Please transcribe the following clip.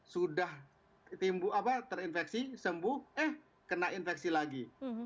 sudah terinfeksi sembuh eh kena infeksi lagi